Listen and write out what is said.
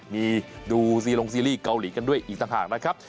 มีดูซีลงซีรีส์เกาหลีกันด้วยอีกต่างหากนะครับ